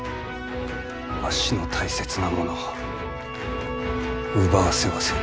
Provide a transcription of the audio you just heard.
わしの大切なものを奪わせはせぬ。